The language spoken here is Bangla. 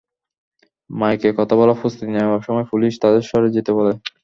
মাইকে কথা বলার প্রস্তুতি নেওয়ার সময় পুলিশ তাঁদের সরে যেতে বলে।